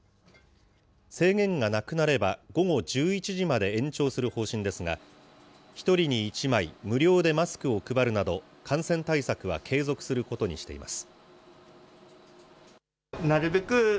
制限がなくなれば、午後１１時まで延長する方針ですが、１人に１枚、無料でマスクを配るなど、感染対策は継続することにしています。